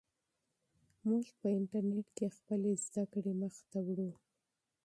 موږ په انټرنیټ کې خپلې زده کړې مخ ته وړو.